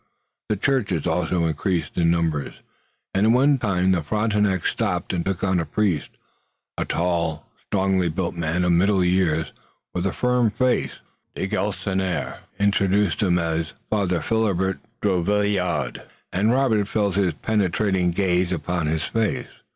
The churches also increased in numbers, and at one point the Frontenac stopped and took on a priest, a tall strongly built man of middle years, with a firm face. De Galisonnière introduced him as Father Philibert Drouillard, and Robert felt his penetrating gaze upon his face.